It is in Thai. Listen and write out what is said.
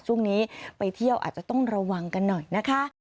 ช่วงนี้ไปเที่ยวอาจจะต้องระวังกันหน่อยนะคะ